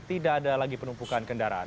tidak ada lagi penumpukan kendaraan